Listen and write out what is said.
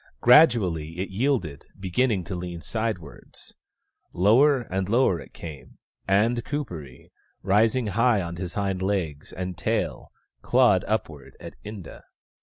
Gradually it yielded, beginning to lean sidewards. Lower and lower it came, and Kuperee, rising high on his hind legs and tail, clawed upward at Inda.